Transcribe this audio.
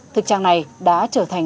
thực trạng này đã trở thành